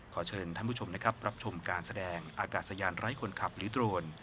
ขอเชิญท่านผู้ชมนะครับรับชมการแสดงอากาศยานไร้คนขับหรือโดรน